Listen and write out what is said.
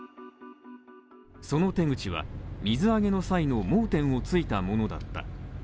その手口は、水揚げの際の盲点を突いたものだった。